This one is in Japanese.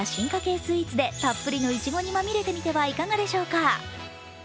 スイーツでたっぷりのいちごにまみれてみてはいかがでしょうか。